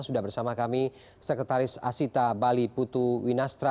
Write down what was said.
sudah bersama kami sekretaris asita bali putu winastra